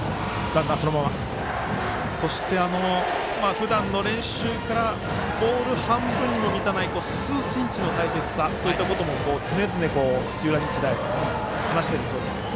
ふだんの練習からボール半分にも満たない数センチの大切さそういったことも常々、土浦日大話しているそうです。